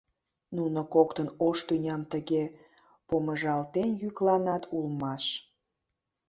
Нуно коктын ош тӱням тыге помыжалтен йӱкланат улмаш.